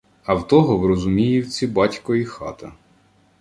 А в того в Розуміївці — батько і хата.